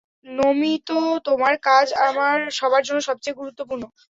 নমিত, তোমার কাজ সবার মধ্যে সবচেয়ে গুরুত্বপূর্ণ।